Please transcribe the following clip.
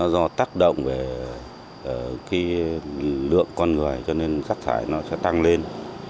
do tác động về lượng con người cho nên rác thải nó sẽ tăng lên